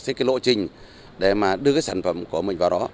xây dựng một lộ trình để đưa sản phẩm của mình vào đó